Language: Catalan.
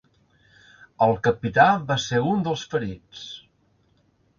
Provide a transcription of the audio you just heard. El capità va ser un dels ferits.